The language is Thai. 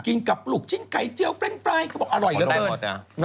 กินกับลูกชิ้นไก่เจียวแฟรงค์ไฟล์เค้าบอกอร่อยกัน